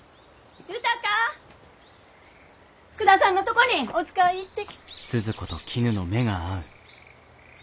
福田さんのとこにお使い行って。